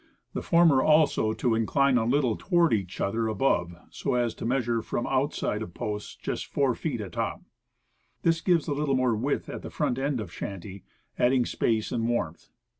The former, also to incline a little toward each other above, so as to measure from out side of posts, just 4 feet at top. This gives a little more width at front end of shanty, adding space and warmth.